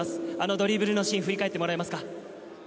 ドリブルシーンを振り返ってもらえますか。